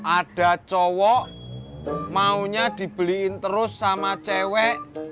ada cowok maunya dibeliin terus sama cewek